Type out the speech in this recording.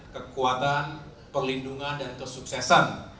kekuatan perlindungan dan kesuksesan